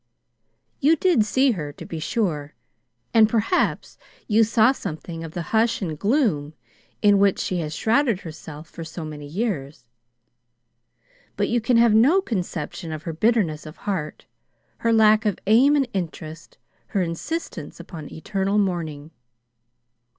You did see her, to be sure, and perhaps you saw something of the hush and gloom in which she has shrouded herself for so many years. But you can have no conception of her bitterness of heart, her lack of aim and interest, her insistence upon eternal mourning.